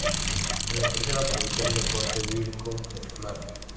Es la tercera producción de corte bíblico del canal.